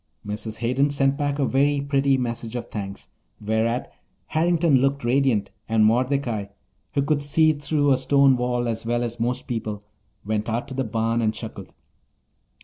Mrs. Hayden sent back a very pretty message of thanks, whereat Harrington looked radiant and Mordecai, who could see through a stone wall as well as most people, went out to the barn and chuckled.